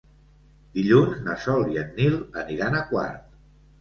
Dilluns na Sol i en Nil aniran a Quart.